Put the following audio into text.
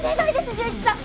潤一さん